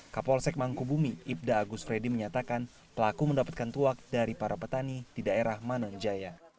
kapolsek mangkubumi ibda agus freddy menyatakan pelaku mendapatkan tuak dari para petani di daerah mananjaya